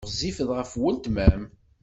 Ɣezzifet ɣef weltma-m.